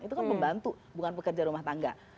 itu kan pembantu bukan pekerja rumah tangga